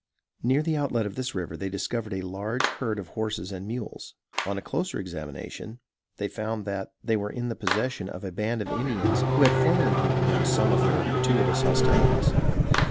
Near the outlet of this river, they discovered a large herd of horses and mules; on a closer examination, they found that they were in the possession of a band of Indians who had formerly given them some of their gratuitous hostilities.